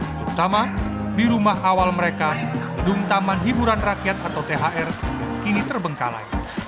terutama di rumah awal mereka gedung taman hiburan rakyat atau thr kini terbengkalai